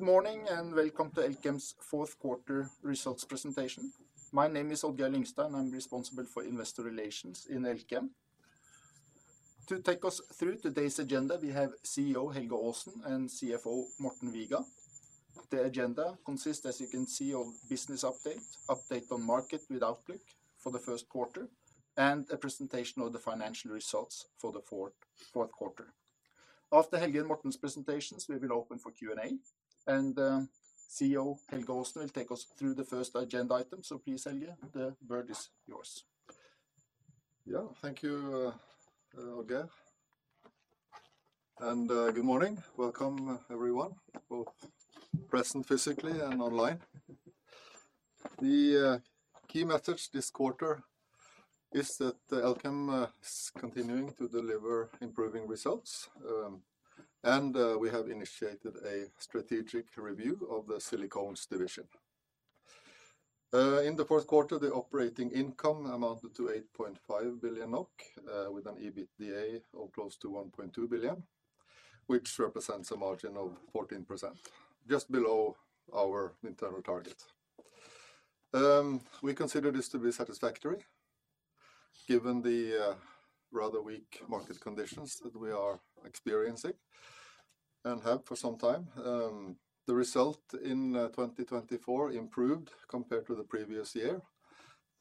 Good morning and welcome to Elkem's fourth quarter results presentation. My name is Odd-Geir Lyngstad, and I'm responsible for investor relations in Elkem. To take us through today's agenda, we have CEO Helge Aasen and CFO Morten Viga. The agenda consists, as you can see, of business update, update on market with outlook for the first quarter, and a presentation of the financial results for the fourth quarter. After Helge and Morten's presentations, we will open for Q&A, and CEO Helge Aasen will take us through the first agenda item. So please, Helge, the word is yours. Yeah, thank you, Odd-Geir. And good morning. Welcome, everyone, both present physically and online. The key message this quarter is that Elkem is continuing to deliver improving results, and we have initiated a strategic review of the Silicones division. In the fourth quarter, the operating income amounted to 8.5 billion NOK, with an EBITDA of close to 1.2 billion, which represents a margin of 14%, just below our internal target. We consider this to be satisfactory, given the rather weak market conditions that we are experiencing and have for some time. The result in 2024 improved compared to the previous year,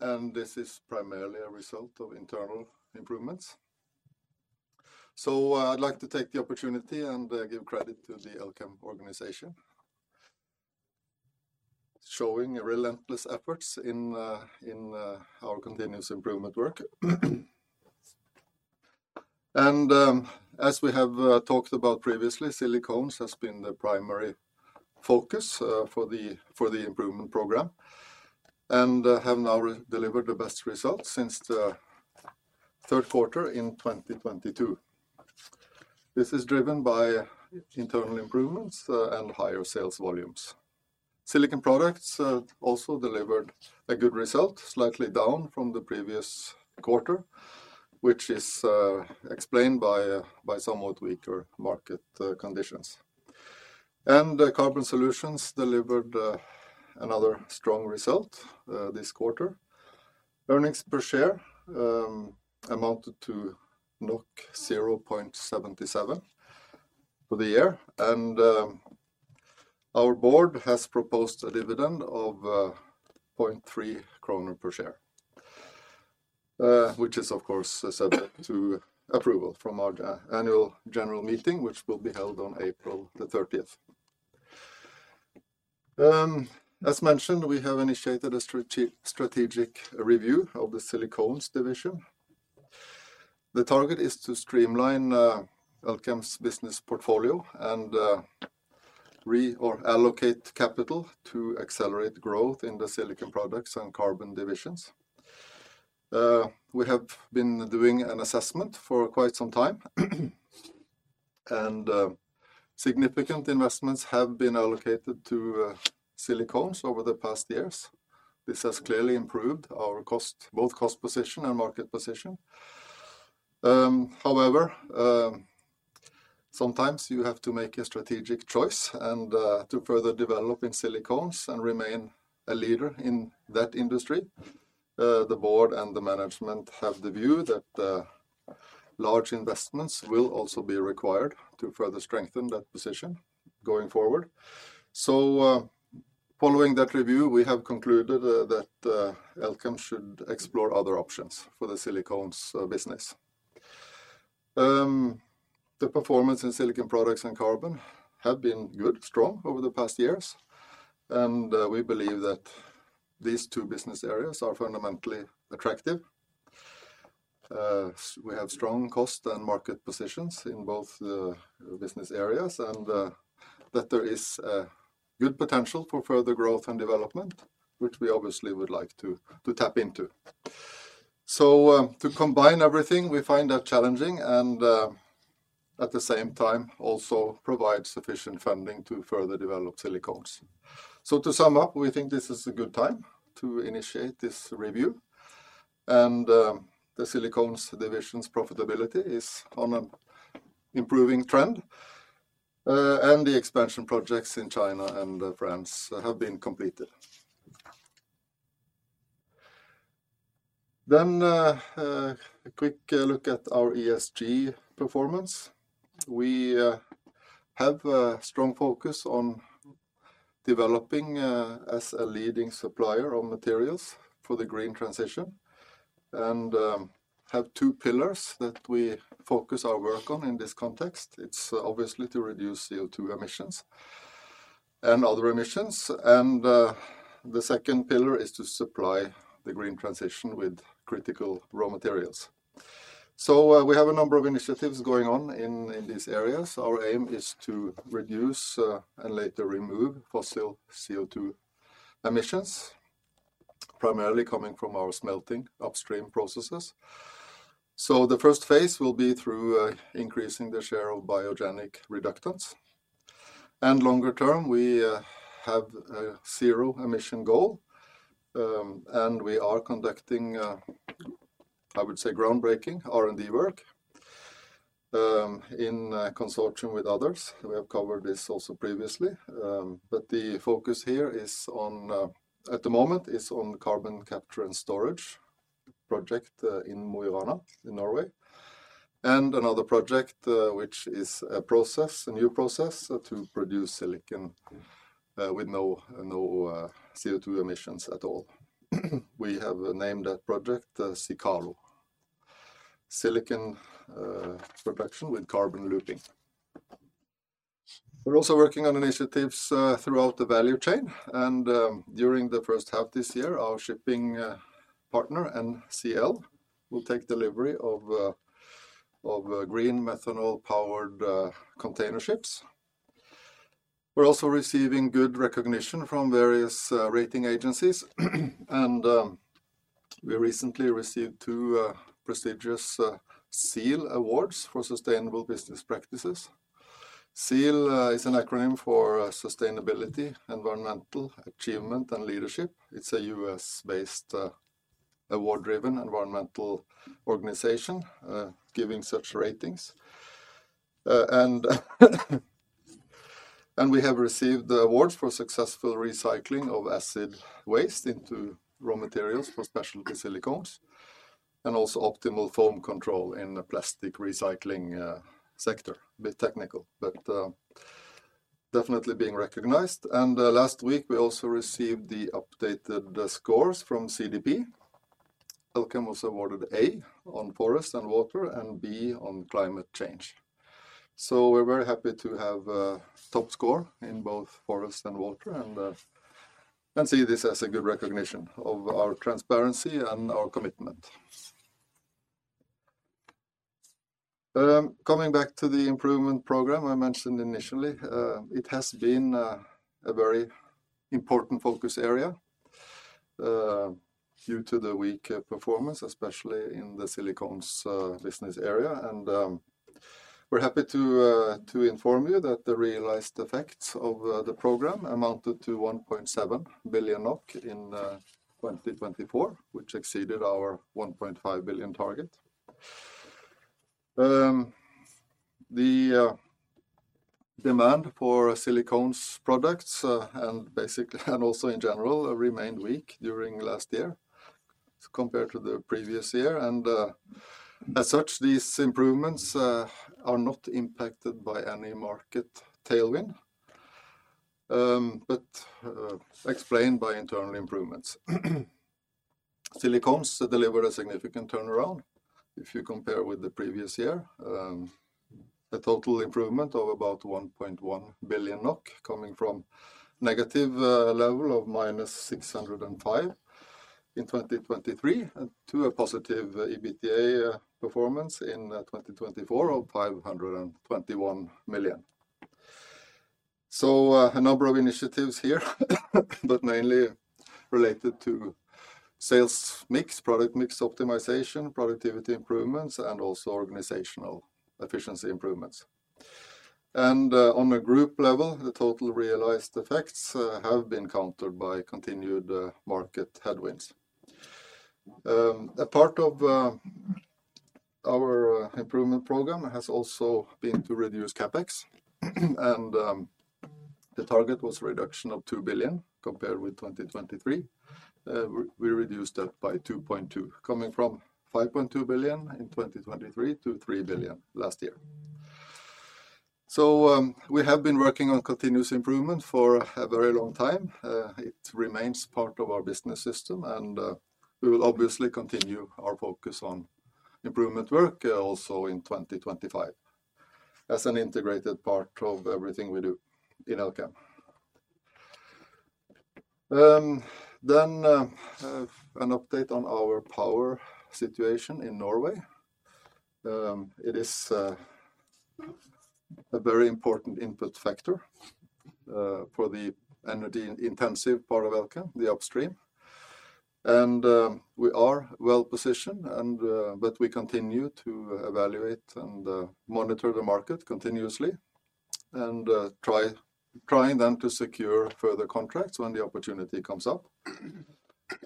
and this is primarily a result of internal improvements. So I'd like to take the opportunity and give credit to the Elkem organization, showing relentless efforts in our continuous improvement work. As we have talked about previously, Silicones has been the primary focus for the improvement program and have now delivered the best results since the third quarter in 2022. This is driven by internal improvements and higher sales volumes. Silicon Products also delivered a good result, slightly down from the previous quarter, which is explained by somewhat weaker market conditions. Carbon Solutions delivered another strong result this quarter. Earnings per share amounted to 0.77 for the year, and our board has proposed a dividend of 0.3 kroner per share, which is, of course, subject to approval from our annual general meeting, which will be held on April the 30th. As mentioned, we have initiated a strategic review of the Silicones division. The target is to streamline Elkem's business portfolio and reallocate capital to accelerate growth in the Silicon Products and Carbon divisions. We have been doing an assessment for quite some time, and significant investments have been allocated to Silicones over the past years. This has clearly improved our both cost position and market position. However, sometimes you have to make a strategic choice to further develop in Silicones and remain a leader in that industry. The board and the management have the view that large investments will also be required to further strengthen that position going forward, so following that review, we have concluded that Elkem should explore other options for the Silicones business. The performance in silicon products and carbon has been good, strong over the past years, and we believe that these two business areas are fundamentally attractive. We have strong cost and market positions in both the business areas and that there is good potential for further growth and development, which we obviously would like to tap into. To combine everything, we find that challenging and at the same time also provide sufficient funding to further develop Silicones. To sum up, we think this is a good time to initiate this review, and the Silicones division's profitability is on an improving trend, and the expansion projects in China and France have been completed. A quick look at our ESG performance. We have a strong focus on developing as a leading supplier of materials for the green transition and have two pillars that we focus our work on in this context. It's obviously to reduce CO2 emissions and other emissions, and the second pillar is to supply the green transition with critical raw materials. We have a number of initiatives going on in these areas. Our aim is to reduce and later remove fossil CO2 emissions, primarily coming from our smelting upstream processes. So the first phase will be through increasing the share of biogenic reductants, and longer term, we have a zero emission goal, and we are conducting, I would say, groundbreaking R&D work in consortium with others. We have covered this also previously, but the focus here is on, at the moment, is on carbon capture and storage project in Mo i Rana in Norway, and another project which is a process, a new process to produce silicon with no CO2 emissions at all. We have named that project Sicalo, silicon production with carbon looping. We're also working on initiatives throughout the value chain, and during the first half this year, our shipping partner NCL will take delivery of green methanol powered container ships. We're also receiving good recognition from various rating agencies, and we recently received two prestigious SEAL Awards for sustainable business practices. SEAL is an acronym for sustainability, environmental achievement, and leadership. It's a U.S.-based award-driven environmental organization giving such ratings, and we have received awards for successful recycling of acid waste into raw materials for specialty silicones and also optimal foam control in the plastic recycling sector. A bit technical, but definitely being recognized, and last week, we also received the updated scores from CDP. Elkem was awarded A on forest and water and B on climate change, so we're very happy to have a top score in both forest and water and see this as a good recognition of our transparency and our commitment. Coming back to the improvement program I mentioned initially, it has been a very important focus area due to the weak performance, especially in the Silicones business area, and we're happy to inform you that the realized effects of the program amounted to 1.7 billion NOK in 2024, which exceeded our 1.5 billion target. The demand for Silicones products and basically and also in general remained weak during last year compared to the previous year, and as such, these improvements are not impacted by any market tailwind, but explained by internal improvements. Silicones delivered a significant turnaround if you compare with the previous year, a total improvement of about 1.1 billion NOK coming from a negative level of -605 in 2023 to a positive EBITDA performance in 2024 of 521 million. A number of initiatives here, but mainly related to sales mix, product mix optimization, productivity improvements, and also organizational efficiency improvements. And on a group level, the total realized effects have been countered by continued market headwinds. A part of our improvement program has also been to reduce CapEx, and the target was a reduction of 2 billion compared with 2023. We reduced that by 2.2, coming from 5.2 billion in 2023 to 3 billion last year. We have been working on continuous improvement for a very long time. It remains part of our business system, and we will obviously continue our focus on improvement work also in 2025 as an integrated part of everything we do in Elkem. Then an update on our power situation in Norway. It is a very important input factor for the energy-intensive part of Elkem, the upstream, and we are well positioned, but we continue to evaluate and monitor the market continuously and trying then to secure further contracts when the opportunity comes up.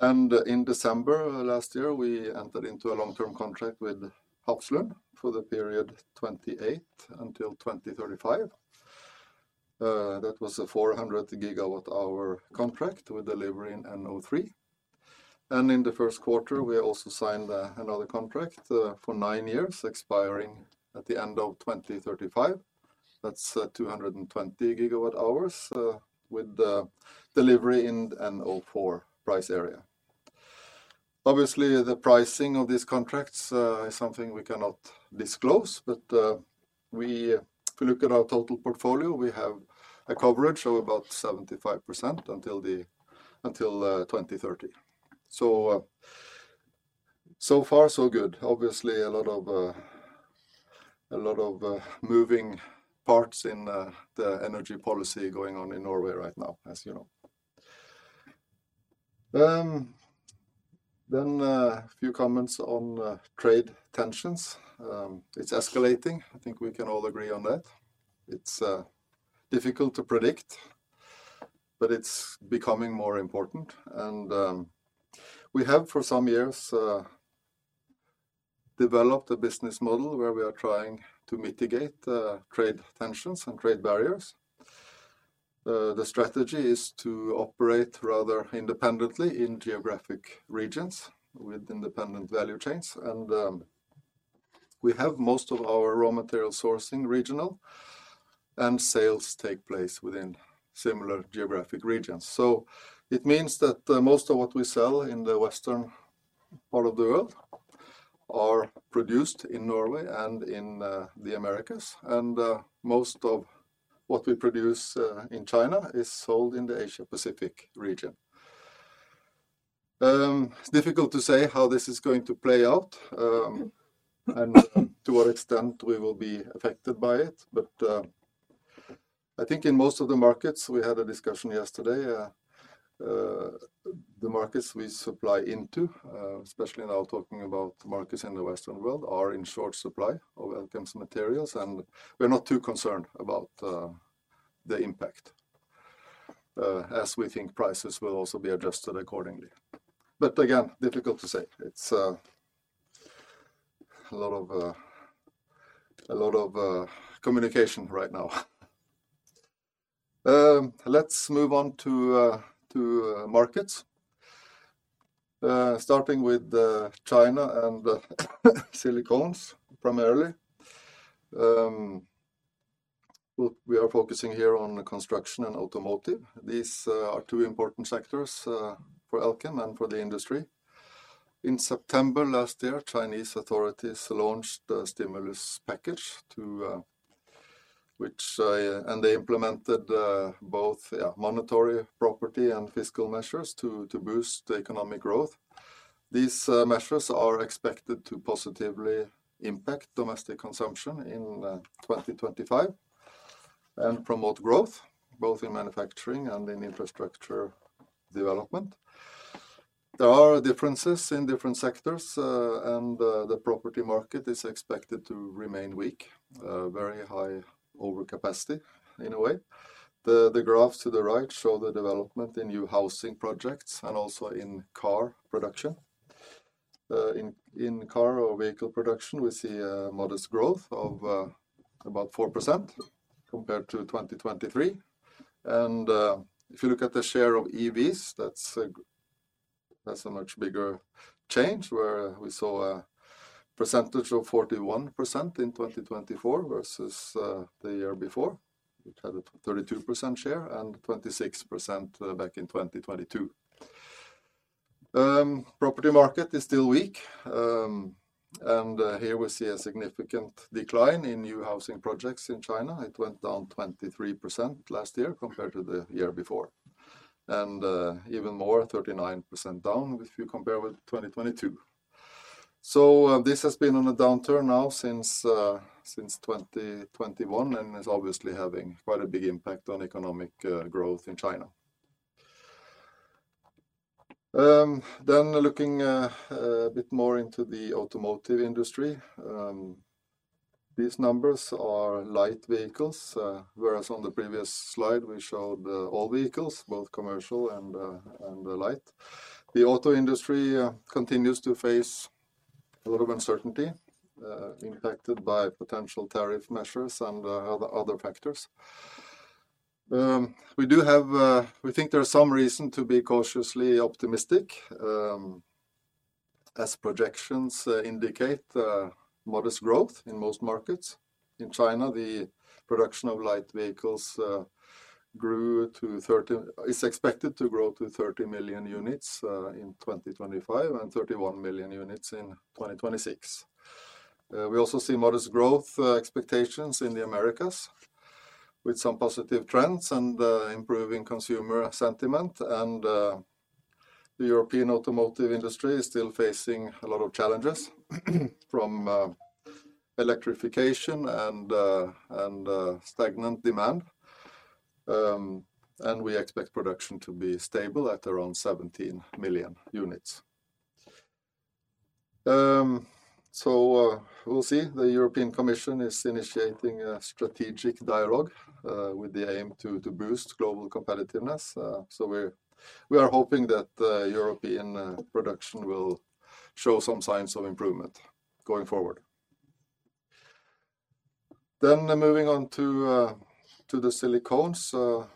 In December last year, we entered into a long-term contract with Hafslund for the period 2028 until 2035. That was a 400 GWh contract with delivery in NO3, and in the first quarter, we also signed another contract for nine years expiring at the end of 2035. That's 220 GWh with delivery in NO4 price area. Obviously, the pricing of these contracts is something we cannot disclose, but if we look at our total portfolio, we have a coverage of about 75% until 2030. So far, so good. Obviously, a lot of moving parts in the energy policy going on in Norway right now, as you know. Then a few comments on trade tensions. It's escalating. I think we can all agree on that. It's difficult to predict, but it's becoming more important, and we have for some years developed a business model where we are trying to mitigate trade tensions and trade barriers. The strategy is to operate rather independently in geographic regions with independent value chains, and we have most of our raw material sourcing regional, and sales take place within similar geographic regions. So it means that most of what we sell in the western part of the world are produced in Norway and in the Americas, and most of what we produce in China is sold in the Asia-Pacific region. It's difficult to say how this is going to play out and to what extent we will be affected by it, but I think in most of the markets we had a discussion yesterday. The markets we supply into, especially now talking about markets in the western world, are in short supply of Elkem's materials, and we're not too concerned about the impact as we think prices will also be adjusted accordingly. But again, difficult to say. It's a lot of communication right now. Let's move on to markets, starting with China and silicones primarily. We are focusing here on construction and automotive. These are two important sectors for Elkem and for the industry. In September last year, Chinese authorities launched a stimulus package, which they implemented both monetary, property, and fiscal measures to boost economic growth. These measures are expected to positively impact domestic consumption in 2025 and promote growth both in manufacturing and in infrastructure development. There are differences in different sectors, and the property market is expected to remain weak, very high overcapacity in a way. The graphs to the right show the development in new housing projects and also in car production. In car or vehicle production, we see a modest growth of about 4% compared to 2023, and if you look at the share of EVs, that's a much bigger change where we saw a percentage of 41% in 2024 versus the year before, which had a 32% share and 26% back in 2022. Property market is still weak, and here we see a significant decline in new housing projects in China. It went down 23% last year compared to the year before, and even more 39% down if you compare with 2022. So this has been on a downturn now since 2021 and is obviously having quite a big impact on economic growth in China. Then looking a bit more into the automotive industry, these numbers are light vehicles, whereas on the previous slide we showed all vehicles, both commercial and light. The auto industry continues to face a lot of uncertainty impacted by potential tariff measures and other factors. We do have, we think there's some reason to be cautiously optimistic as projections indicate modest growth in most markets. In China, the production of light vehicles grew to 30, is expected to grow to 30 million units in 2025 and 31 million units in 2026. We also see modest growth expectations in the Americas with some positive trends and improving consumer sentiment, and the European automotive industry is still facing a lot of challenges from electrification and stagnant demand, and we expect production to be stable at around 17 million units. So we'll see. The European Commission is initiating a strategic dialogue with the aim to boost global competitiveness, so we are hoping that European production will show some signs of improvement going forward. Then moving on to the silicones,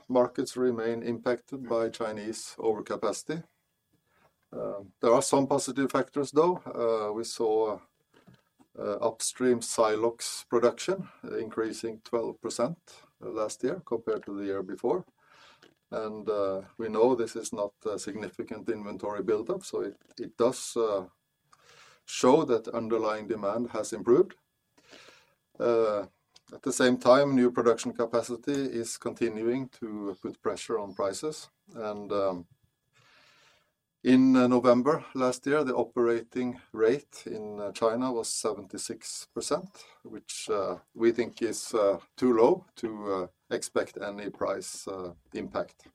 markets remain impacted by Chinese overcapacity. There are some positive factors though. We saw upstream siloxane production increasing 12% last year compared to the year before, and we know this is not a significant inventory buildup, so it does show that underlying demand has improved. At the same time, new production capacity is continuing to put pressure on prices, and in November last year, the operating rate in China was 76%, which we think is too low to expect any price impact.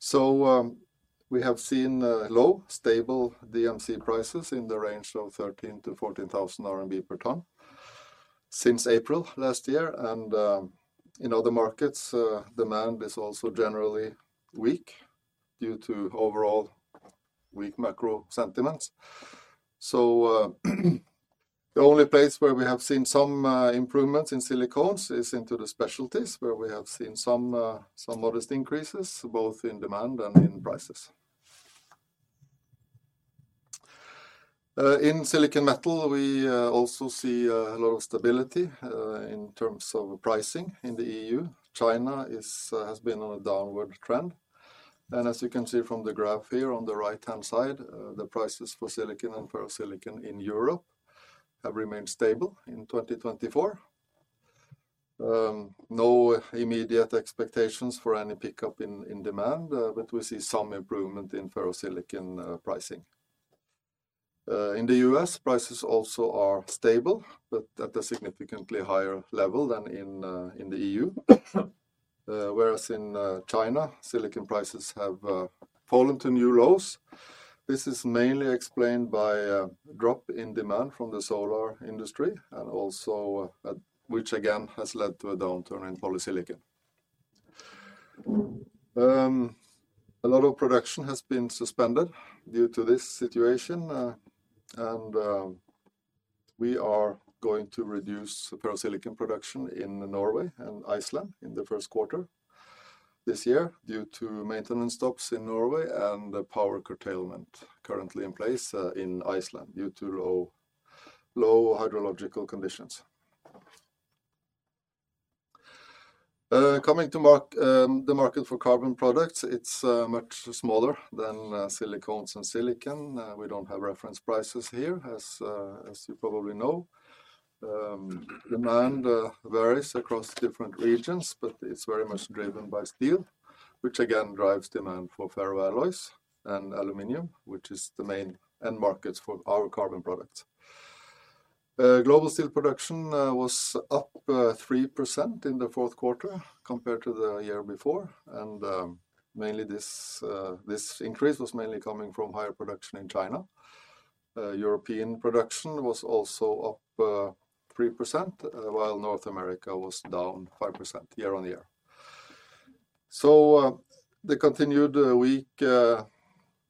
So we have seen low stable DMC prices in the range of 13,000-14,000 RMB per ton since April last year, and in other markets, demand is also generally weak due to overall weak macro sentiments. So the only place where we have seen some improvements in silicones is into the specialties where we have seen some modest increases both in demand and in prices. In silicon metal, we also see a lot of stability in terms of pricing in the EU China has been on a downward trend, and as you can see from the graph here on the right-hand side, the prices for silicon and ferrosilicon in Europe have remained stable in 2024. No immediate expectations for any pickup in demand, but we see some improvement in ferrosilicon pricing. In the U.S., prices also are stable, but at a significantly higher level than in the EU, whereas in China, silicon prices have fallen to new lows. This is mainly explained by a drop in demand from the solar industry, and also which again has led to a downturn in polysilicon. A lot of production has been suspended due to this situation, and we are going to reduce ferrosilicon production in Norway and Iceland in the first quarter this year due to maintenance stops in Norway and power curtailment currently in place in Iceland due to low hydrological conditions. Coming to the market for carbon products, it's much smaller than silicones and silicon. We don't have reference prices here, as you probably know. Demand varies across different regions, but it's very much driven by steel, which again drives demand for ferroalloys and aluminum, which is the main end markets for our carbon products. Global steel production was up 3% in the fourth quarter compared to the year before, and this increase was mainly coming from higher production in China. European production was also up 3%, while North America was down 5% year on year. So the continued weak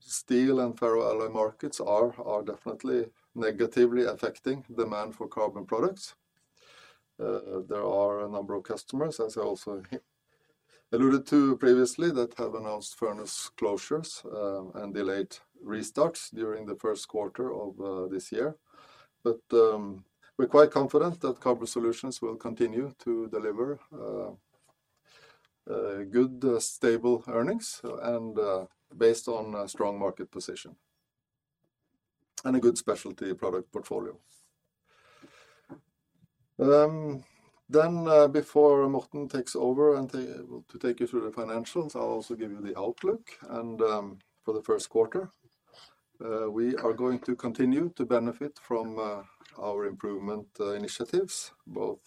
steel and ferroalloy markets are definitely negatively affecting demand for carbon products. There are a number of customers, as I also alluded to previously, that have announced furnace closures and delayed restarts during the first quarter of this year, but we're quite confident that Carbon Solutions will continue to deliver good stable earnings and based on a strong market position and a good specialty product portfolio, then before Morten takes over and to take you through the financials, I'll also give you the outlook for the first quarter. We are going to continue to benefit from our improvement initiatives, both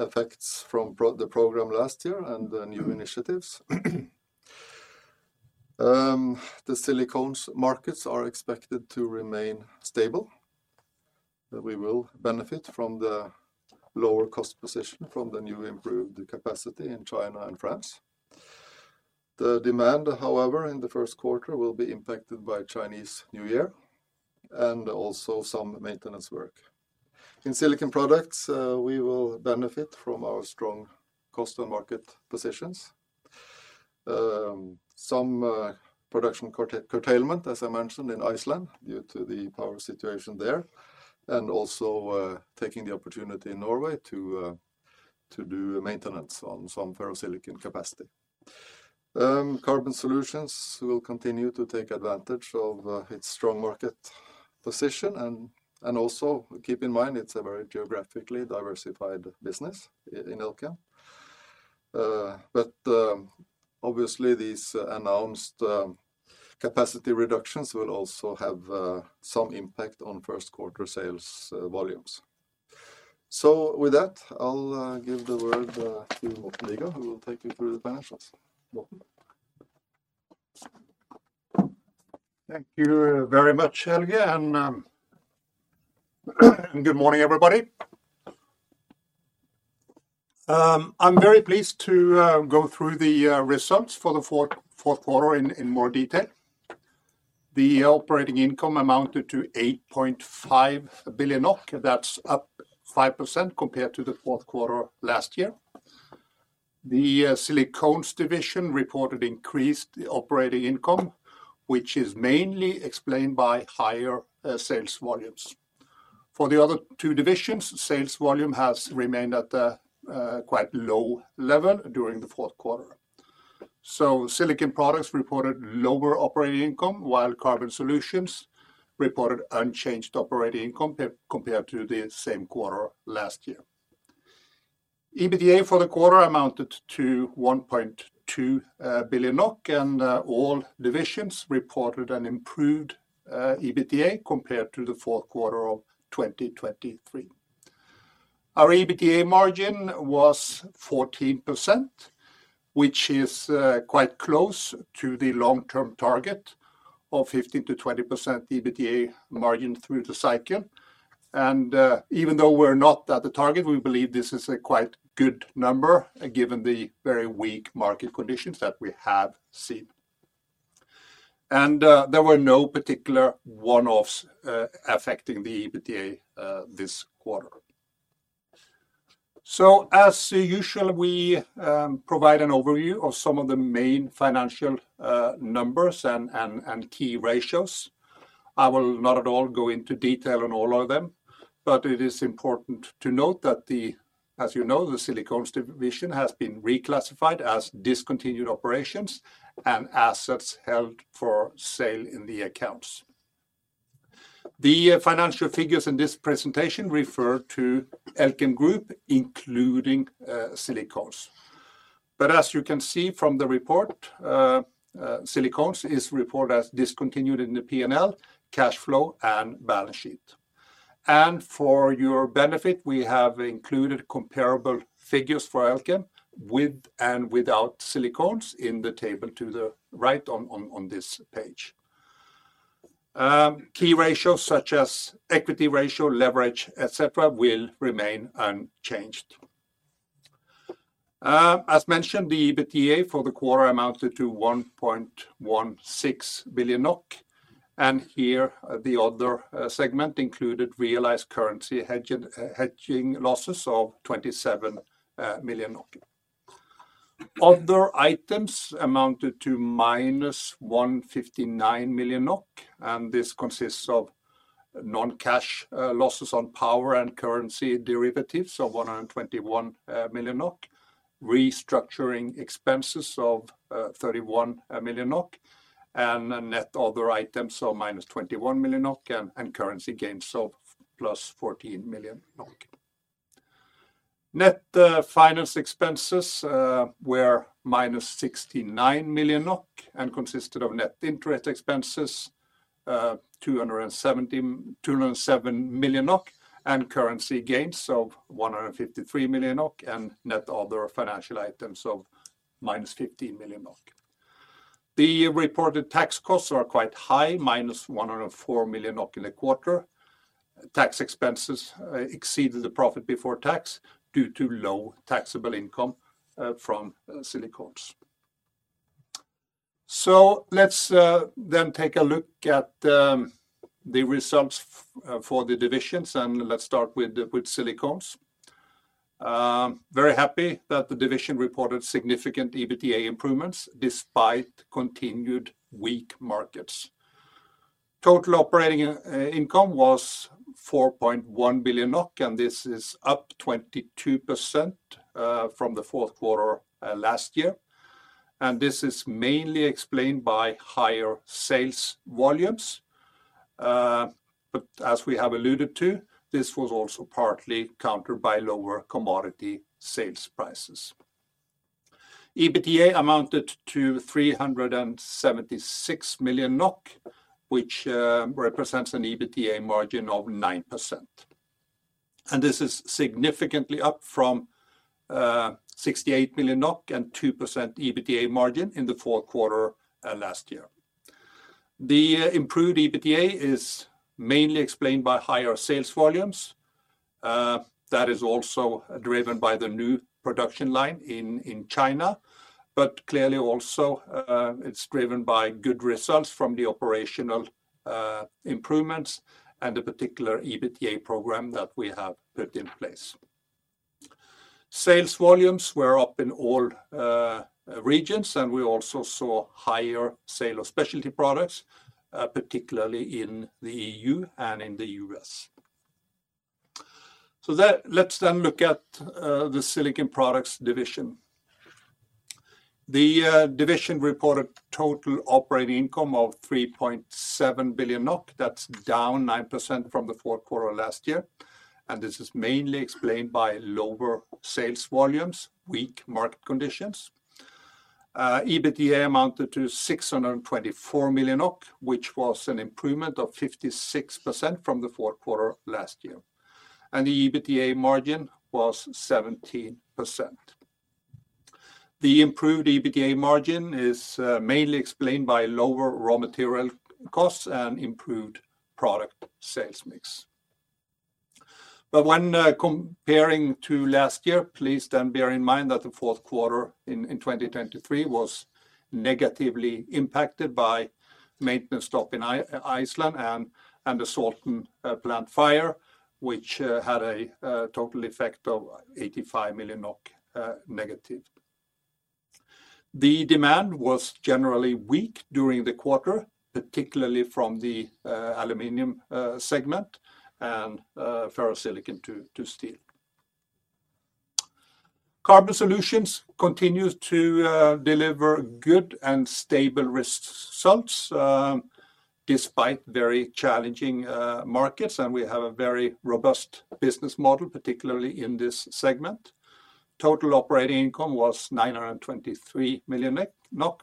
effects from the program last year and the new initiatives. The silicones markets are expected to remain stable. We will benefit from the lower cost position from the new improved capacity in China and France. The demand, however, in the first quarter will be impacted by Chinese New Year and also some maintenance work. In silicon products, we will benefit from our strong cost and market positions. Some production curtailment, as I mentioned, in Iceland due to the power situation there and also taking the opportunity in Norway to do maintenance on some ferrosilicon capacity. Carbon Solutions will continue to take advantage of its strong market position and also keep in mind it's a very geographically diversified business in Elkem, but obviously these announced capacity reductions will also have some impact on first quarter sales volumes. So with that, I'll give the word to Morten Viga, who will take you through the financials. Thank you very much, Helge, and good morning everybody. I'm very pleased to go through the results for the fourth quarter in more detail. The operating income amounted to 8.5 billion. That's up 5% compared to the fourth quarter last year. The Silicones division reported increased operating income, which is mainly explained by higher sales volumes. For the other two divisions, sales volume has remained at a quite low level during the fourth quarter. So Silicon Products reported lower operating income, while Carbon Solutions reported unchanged operating income compared to the same quarter last year. EBITDA for the quarter amounted to 1.2 billion NOK, and all divisions reported an improved EBITDA compared to the fourth quarter of 2023. Our EBITDA margin was 14%, which is quite close to the long-term target of 15%-20% EBITDA margin through the cycle, and even though we're not at the target, we believe this is a quite good number given the very weak market conditions that we have seen, and there were no particular one-offs affecting the EBITDA this quarter. As usual, we provide an overview of some of the main financial numbers and key ratios. I will not at all go into detail on all of them, but it is important to note that, as you know, the silicones division has been reclassified as discontinued operations and assets held for sale in the accounts. The financial figures in this presentation refer to Elkem Group, including silicones. But as you can see from the report, silicones is reported as discontinued in the P&L, cash flow, and balance sheet. And for your benefit, we have included comparable figures for Elkem with and without silicones in the table to the right on this page. Key ratios such as equity ratio, leverage, etc., will remain unchanged. As mentioned, the EBITDA for the quarter amounted to 1.16 billion NOK, and here the other segment included realized currency hedging losses of 27 million. Other items amounted to minus 159 million NOK, and this consists of non-cash losses on power and currency derivatives of 121 million NOK, restructuring expenses of 31 million NOK, and net other items of minus 21 million NOK and currency gains of plus 14 million NOK. Net finance expenses were minus 69 million NOK and consisted of net interest expenses 207 million NOK and currency gains of 153 million NOK, and net other financial items of minus 15 million NOK. The reported tax costs are quite high, minus 104 million NOK in the quarter. Tax expenses exceeded the profit before tax due to low taxable income from silicones. Let's then take a look at the results for the divisions, and let's start with silicones. Very happy that the division reported significant EBITDA improvements despite continued weak markets. Total operating income was 4.1 billion NOK, and this is up 22% from the fourth quarter last year, and this is mainly explained by higher sales volumes, but as we have alluded to, this was also partly countered by lower commodity sales prices. EBITDA amounted to 376 million NOK, which represents an EBITDA margin of 9%, and this is significantly up from 68 million NOK and 2% EBITDA margin in the fourth quarter last year. The improved EBITDA is mainly explained by higher sales volumes. That is also driven by the new production line in China, but clearly also it's driven by good results from the operational improvements and the particular EBITDA program that we have put in place. Sales volumes were up in all regions, and we also saw higher sales of specialty products, particularly in the EU and in the U.S. Let's then look at the silicon products division. The division reported total operating income of 3.7 billion NOK. That's down 9% from the fourth quarter last year, and this is mainly explained by lower sales volumes, weak market conditions. EBITDA amounted to 624 million, which was an improvement of 56% from the fourth quarter last year, and the EBITDA margin was 17%. The improved EBITDA margin is mainly explained by lower raw material costs and improved product sales mix. But when comparing to last year, please then bear in mind that the fourth quarter in 2023 was negatively impacted by maintenance stop in Iceland and the Salten plant fire, which had a total effect of 85 million NOK negative. The demand was generally weak during the quarter, particularly from the aluminum segment and ferrosilicon to steel. Carbon Solutions continues to deliver good and stable results despite very challenging markets, and we have a very robust business model, particularly in this segment. Total operating income was 923 million,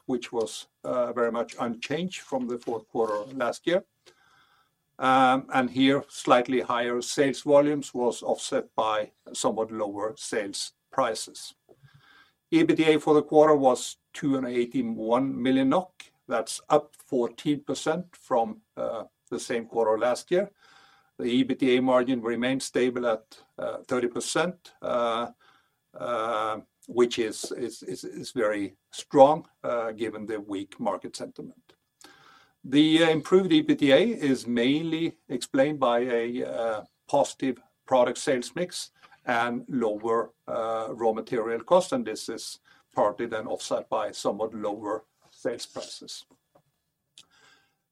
which was very much unchanged from the fourth quarter last year, and here slightly higher sales volumes were offset by somewhat lower sales prices. EBITDA for the quarter was 281 million NOK. That's up 14% from the same quarter last year. The EBITDA margin remained stable at 30%, which is very strong given the weak market sentiment. The improved EBITDA is mainly explained by a positive product sales mix and lower raw material costs, and this is partly then offset by somewhat lower sales prices.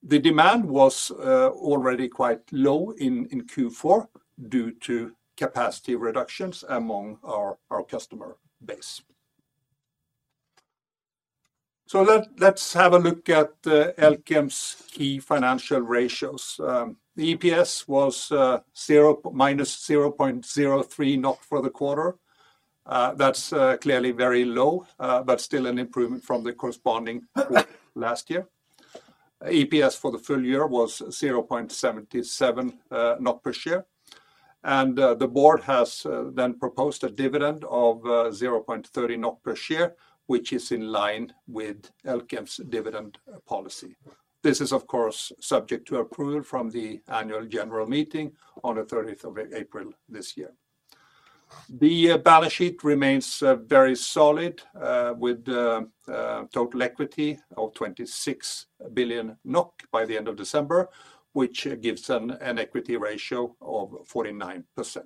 The demand was already quite low in Q4 due to capacity reductions among our customer base. So let's have a look at Elkem's key financial ratios. The EPS was -0.03 for the quarter. That's clearly very low, but still an improvement from the corresponding last year. EPS for the full year was 0.77 per share, and the board has then proposed a dividend of 0.30 per share, which is in line with Elkem's dividend policy. This is, of course, subject to approval from the annual general meeting on the 30th of April this year. The balance sheet remains very solid with total equity of 26 billion NOK by the end of December, which gives an equity ratio of 49%,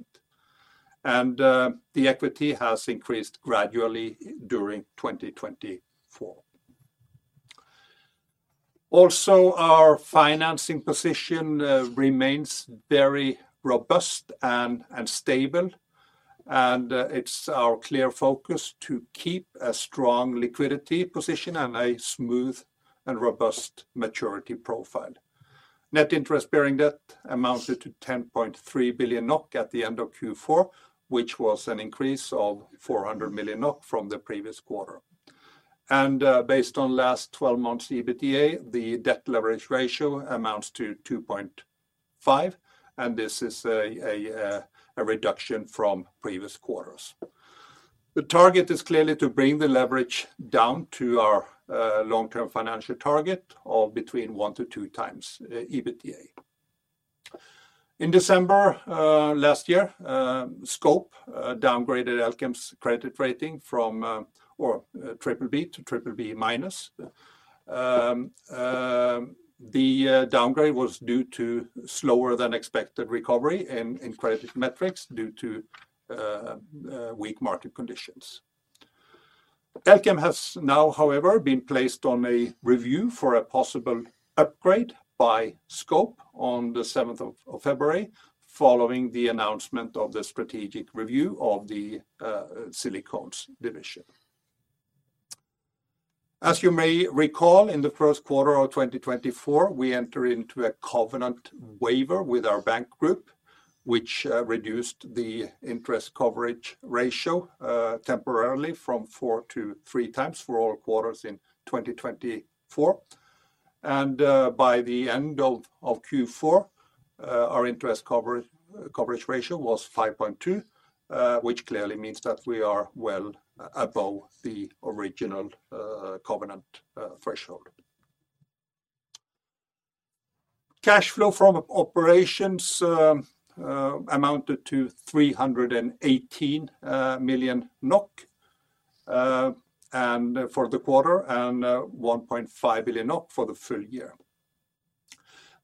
and the equity has increased gradually during 2024. Also, our financing position remains very robust and stable, and it's our clear focus to keep a strong liquidity position and a smooth and robust maturity profile. Net interest bearing debt amounted to 10.3 billion NOK at the end of Q4, which was an increase of 400 million NOK from the previous quarter, and based on last 12 months' EBITDA, the debt leverage ratio amounts to 2.5, and this is a reduction from previous quarters. The target is clearly to bring the leverage down to our long-term financial target of between one to two times EBITDA. In December last year, Scope downgraded Elkem's credit rating from BBB to BBB-. The downgrade was due to slower than expected recovery in credit metrics due to weak market conditions. Elkem has now, however, been placed on a review for a possible upgrade by Scope on the 7th of February following the announcement of the strategic review of the silicones division. As you may recall, in the first quarter of 2024, we entered into a covenant waiver with our bank group, which reduced the interest coverage ratio temporarily from four to three times for all quarters in 2024. And by the end of Q4, our interest coverage ratio was 5.2, which clearly means that we are well above the original covenant threshold. Cash flow from operations amounted to 318 million NOK for the quarter and 1.5 billion NOK for the full year.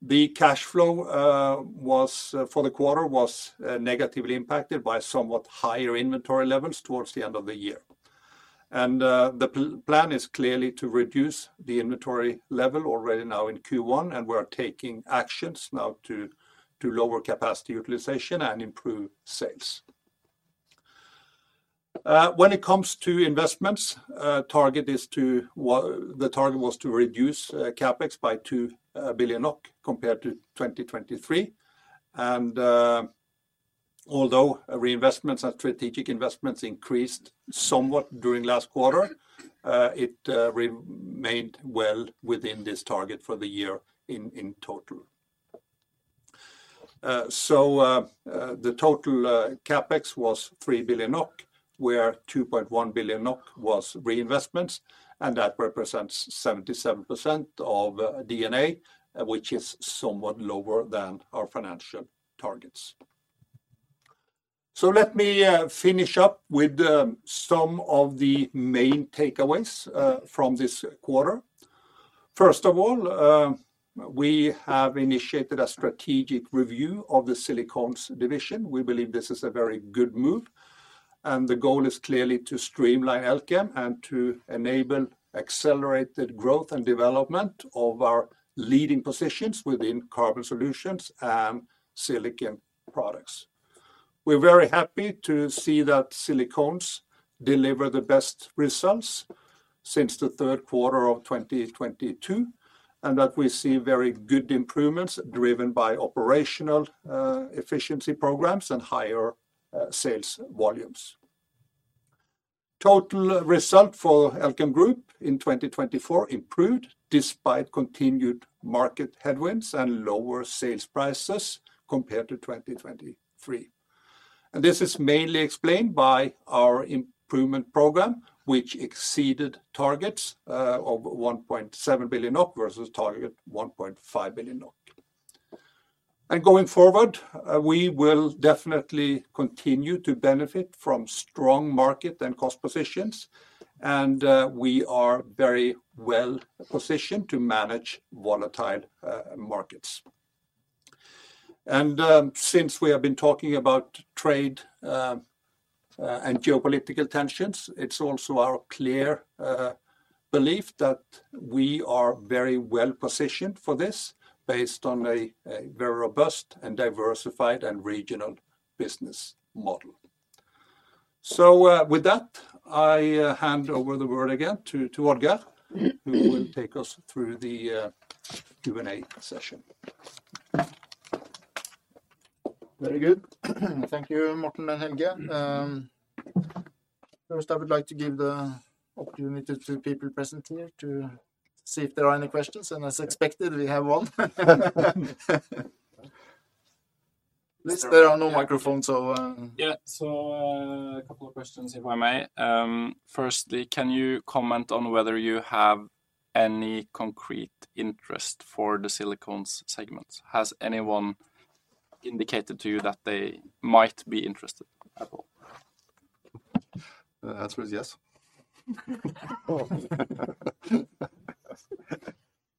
The cash flow for the quarter was negatively impacted by somewhat higher inventory levels towards the end of the year, and the plan is clearly to reduce the inventory level already now in Q1, and we're taking actions now to lower capacity utilization and improve sales. When it comes to investments, the target was to reduce CapEx by 2 billion NOK compared to 2023, and although reinvestments and strategic investments increased somewhat during last quarter, it remained well within this target for the year in total. So the total CapEx was 3 billion NOK, where 2.1 billion NOK was reinvestments, and that represents 77% of D&A, which is somewhat lower than our financial targets. So let me finish up with some of the main takeaways from this quarter. First of all, we have initiated a strategic review of the silicones division. We believe this is a very good move, and the goal is clearly to streamline Elkem and to enable accelerated growth and development of our leading positions within carbon solutions and silicon products. We're very happy to see that silicones deliver the best results since the third quarter of 2022 and that we see very good improvements driven by operational efficiency programs and higher sales volumes. Total result for Elkem Group in 2024 improved despite continued market headwinds and lower sales prices compared to 2023, and this is mainly explained by our improvement program, which exceeded targets of 1.7 billion NOK versus target 1.5 billion NOK. Going forward, we will definitely continue to benefit from strong market and cost positions, and we are very well positioned to manage volatile markets. Since we have been talking about trade and geopolitical tensions, it's also our clear belief that we are very well positioned for this based on a very robust and diversified and regional business model. So with that, I hand over the word again to Odd-Geir, who will take us through the Q&A session. Very good. Thank you, Morten and Helge. First, I would like to give the opportunity to people present here to see if there are any questions, and as expected, we have one. At least there are no microphones, so. Yeah, so a couple of questions if I may. Firstly, can you comment on whether you have any concrete interest for the silicones segments? Has anyone indicated to you that they might be interested at all? The answer is yes.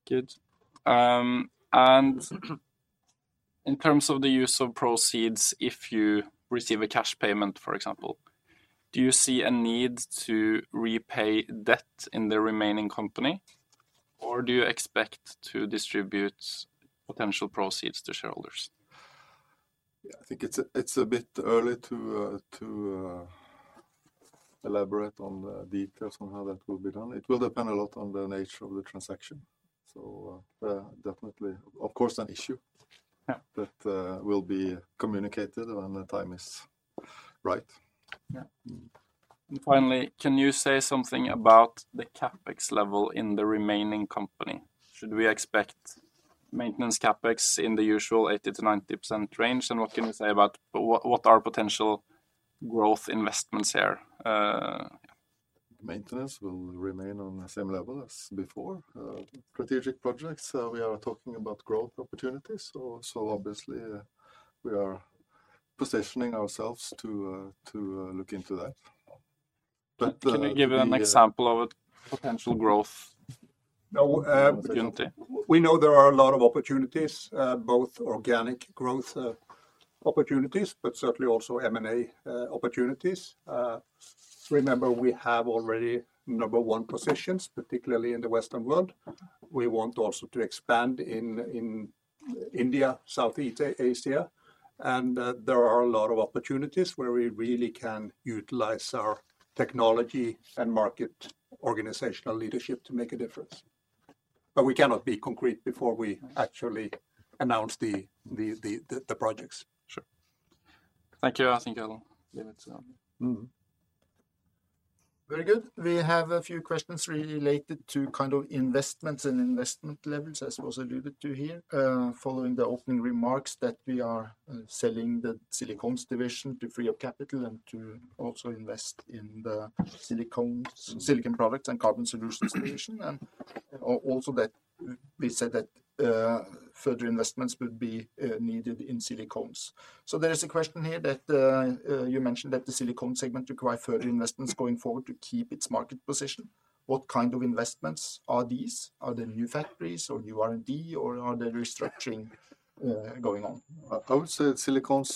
Good. And in terms of the use of proceeds, if you receive a cash payment, for example, do you see a need to repay debt in the remaining company, or do you expect to distribute potential proceeds to shareholders? Yeah, I think it's a bit early to elaborate on the details on how that will be done. It will depend a lot on the nature of the transaction, so definitely, of course, an issue that will be communicated when the time is right. Yeah. And finally, can you say something about the CapEx level in the remaining company? Should we expect maintenance CapEx in the usual 80%-90% range, and what can you say about what are potential growth investments here? Maintenance will remain on the same level as before. Strategic projects, we are talking about growth opportunities, so obviously we are positioning ourselves to look into that. Can you give an example of a potential growth opportunity? We know there are a lot of opportunities, both organic growth opportunities, but certainly also M&A opportunities. Remember, we have already number one positions, particularly in the Western world. We want also to expand in India, Southeast Asia, and there are a lot of opportunities where we really can utilize our technology and market organizational leadership to make a difference, but we cannot be concrete before we actually announce the projects. Sure. Thank you. I think I'll leave it to Odd-Geir. Very good. We have a few questions related to kind of investments and investment levels, as was alluded to here, following the opening remarks that we are selling the silicones division to free up capital and to also invest in the silicon products and carbon solutions division, and also that we said that further investments would be needed in silicones. So there is a question here that you mentioned that the silicones segment requires further investments going forward to keep its market position. What kind of investments are these? Are they new factories or new R&D, or are there restructuring going on? I would say the silicones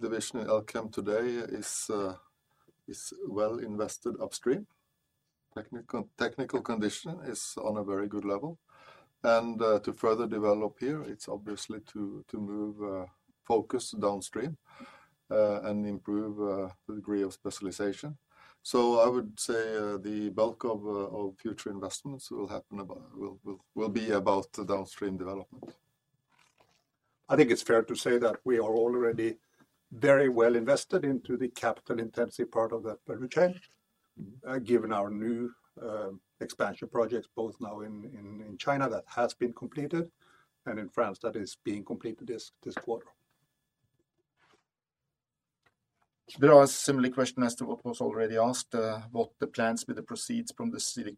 division in Elkem today is well invested upstream. Technical condition is on a very good level, and to further develop here, it's obviously to move focus downstream and improve the degree of specialization. So I would say the bulk of future investments will be about downstream development. I think it's fair to say that we are already very well invested into the capital-intensive part of that value chain, given our new expansion projects, both now in China that has been completed and in France that is being completed this quarter. There was a similar question as to what was already asked, what the plans with the proceeds from the Silicones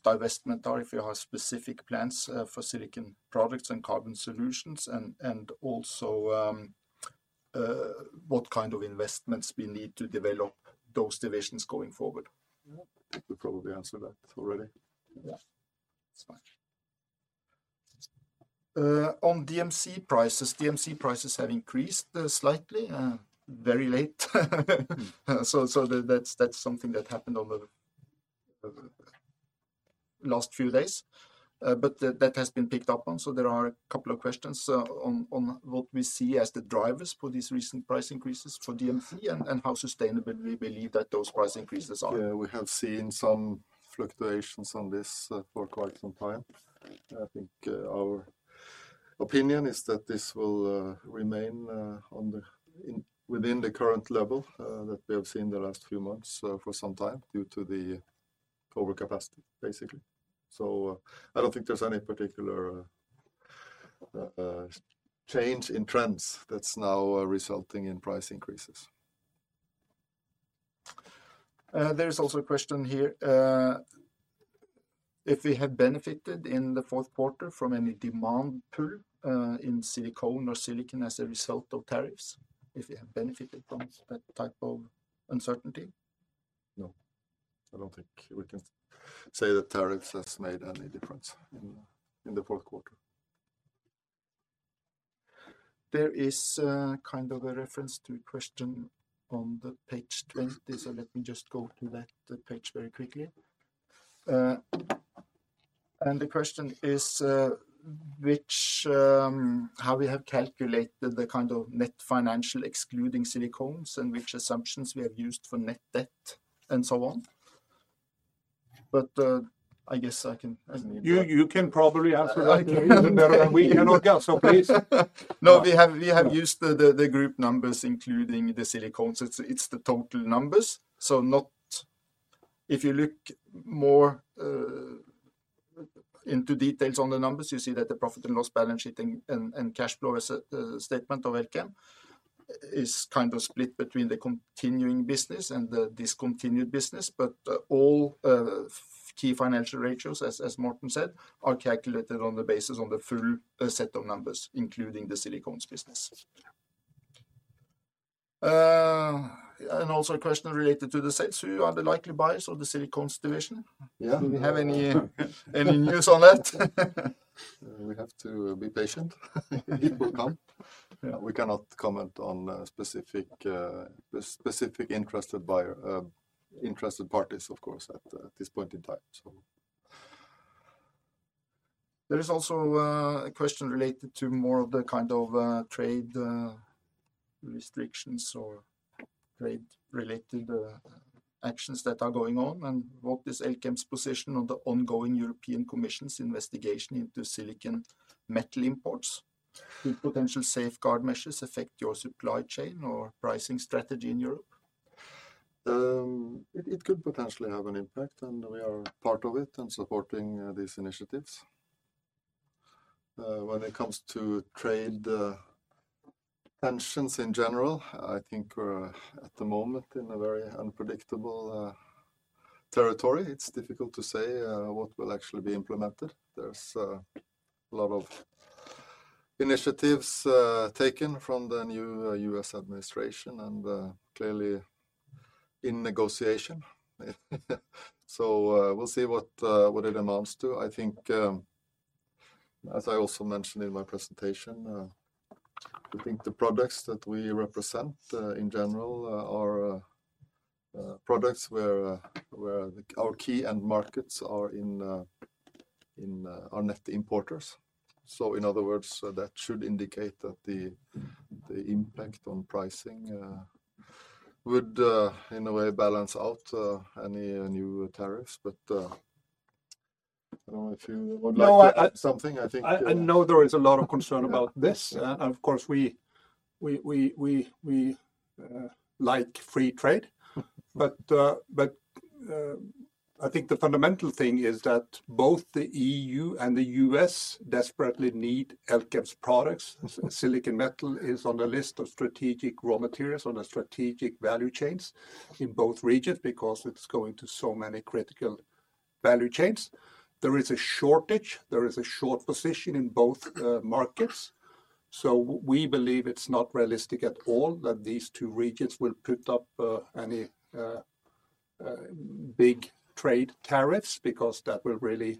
divestment are, if you have specific plans for Silicon Products and Carbon Solutions, and also what kind of investments we need to develop those divisions going forward. We probably answered that already. Yeah. That's fine. On DMC prices, DMC prices have increased slightly, very late, so that's something that happened over the last few days, but that has been picked up on, so there are a couple of questions on what we see as the drivers for these recent price increases for DMC and how sustainable we believe that those price increases are. Yeah, we have seen some fluctuations on this for quite some time. I think our opinion is that this will remain within the current level that we have seen the last few months for some time due to the overcapacity, basically. So I don't think there's any particular change in trends that's now resulting in price increases. There's also a question here if we have benefited in the fourth quarter from any demand pull in silicone or silicon as a result of tariffs, if you have benefited from that type of uncertainty. No, I don't think we can say that tariffs has made any difference in the fourth quarter. There is kind of a reference to a question on the page 20, so let me just go to that page very quickly, and the question is how we have calculated the kind of net financial excluding silicones and which assumptions we have used for net debt and so on, but I guess I can answer. You can probably answer that even better than we can, Odd-Geir, so please. No, we have used the group numbers including the silicones. It's the total numbers, so if you look more into details on the numbers, you see that the profit and loss balance sheet and cash flow statement of Elkem is kind of split between the continuing business and the discontinued business, but all key financial ratios, as Morten said, are calculated on the basis of the full set of numbers including the silicones business. And also a question related to the sales, who are the likely buyers of the silicones division? Yeah. Do we have any news on that? We have to be patient. It will come. We cannot comment on specific interested parties, of course, at this point in time. There is also a question related to more of the kind of trade restrictions or trade-related actions that are going on, and what is Elkem's position on the ongoing European Commission's investigation into silicon metal imports? Could potential safeguard measures affect your supply chain or pricing strategy in Europe? It could potentially have an impact, and we are part of it and supporting these initiatives. When it comes to trade tensions in general, I think we're at the moment in a very unpredictable territory. It's difficult to say what will actually be implemented. There's a lot of initiatives taken from the new U.S. administration and clearly in negotiation, so we'll see what it amounts to. I think, as I also mentioned in my presentation, I think the products that we represent in general are products where our key end markets are in our net importers. So in other words, that should indicate that the impact on pricing would, in a way, balance out any new tariffs, but I don't know if you would like to add something. I think. I know there is a lot of concern about this, and of course, we like free trade, but I think the fundamental thing is that both the EU and the U.S. desperately need Elkem's products. Silicon metal is on the list of strategic raw materials, on the strategic value chains in both regions because it's going to so many critical value chains. There is a shortage. There is a short position in both markets, so we believe it's not realistic at all that these two regions will put up any big trade tariffs because that will really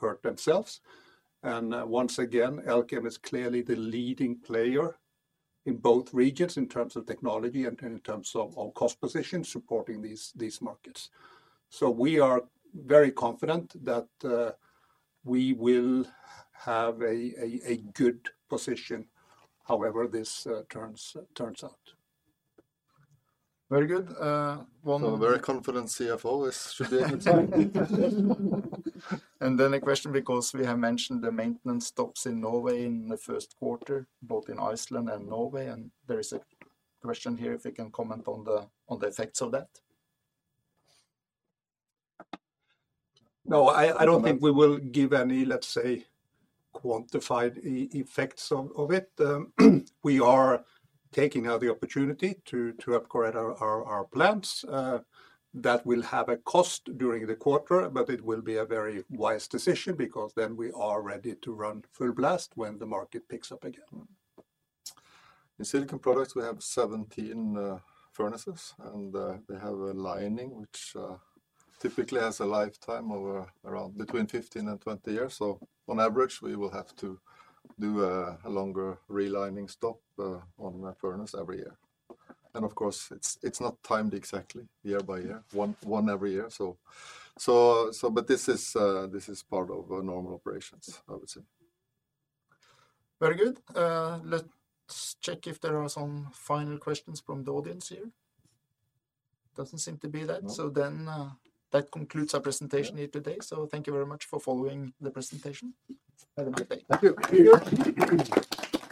hurt themselves. And once again, Elkem is clearly the leading player in both regions in terms of technology and in terms of cost position supporting these markets. So we are very confident that we will have a good position, however this turns out. Very good. One more. A very confident CFO should be able to. And then a question because we have mentioned the maintenance stops in Norway in the first quarter, both in Iceland and Norway, and there is a question here if you can comment on the effects of that. No, I don't think we will give any, let's say, quantified effects of it. We are taking out the opportunity to upgrade our plants that will have a cost during the quarter, but it will be a very wise decision because then we are ready to run full blast when the market picks up again. In silicon products, we have 17 furnaces, and they have a lining which typically has a lifetime of around between 15 and 20 years, so on average, we will have to do a longer relining stop on that furnace every year, and of course, it's not timed exactly year by year, one every year, but this is part of normal operations, I would say. Very good. Let's check if there are some final questions from the audience here. Doesn't seem to be that, so then that concludes our presentation here today, so thank you very much for following the presentation. Thank you.